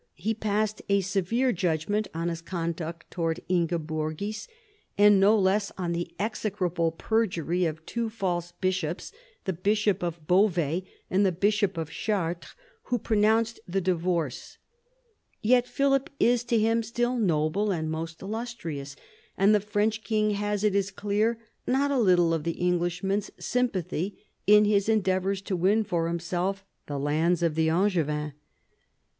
He passed a severe judgment on his conduct towards Ingeborgis, and no less on the "execrable perjury of two false bishops," the bishop of Beauvais and the bishop of Chartres, who pronounced the divorce. Yet Philip is to him still " noble " and " most illustrious," and the French king has, it is clear, not a little of the Englishman's sympathy in his endeavours to win for himself the lands of the Angevins.